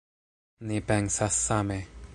Ni pensas same.